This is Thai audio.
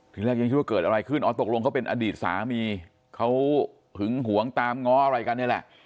ทีแรกยังคิดว่าเกิดอะไรขึ้นอ๋อตกลงเขาเป็นอดีตสามีเขาหึงหวงตามง้ออะไรกันนี่แหละ